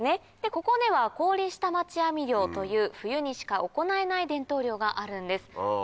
ここでは「氷下待ち網漁」という冬にしか行えない伝統漁があるんです。